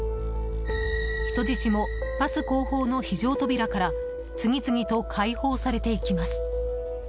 人質も、バス後方の非常扉から次々と解放されていきます。